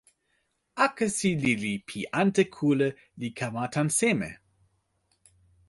akesi lili pi ante kule li kama tan seme?